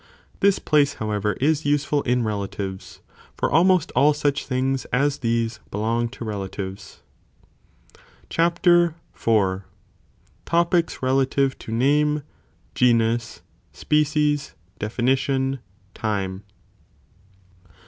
This place however is useful in relatives, for almost all such things as these, belong to relatives. € Cnap. IV. —Topics relative to Name, Genus, Species, Defintton, Time.